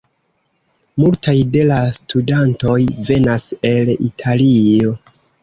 Multaj de la studantoj venas el Italio.